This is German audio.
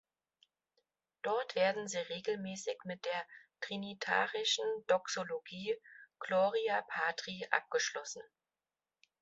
Dort werden sie regelmäßig mit der trinitarischen Doxologie "Gloria Patri" abgeschlossen.